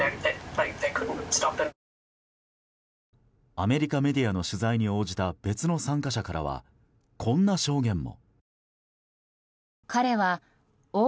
アメリカメディアの取材に応じた別の参加者からはこんな証言も。